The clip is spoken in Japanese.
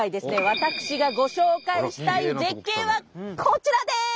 私がご紹介したい絶景はこちらです！